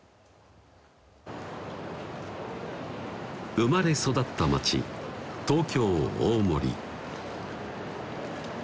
生まれ育った町東京・大森